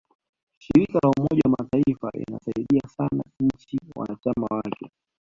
shirika la umoja wa mataifa linasaidia sana nchi wanachama wake